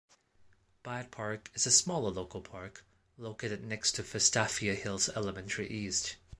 Byrd Park is a smaller local park, located next to Vestavia Hills Elementary East.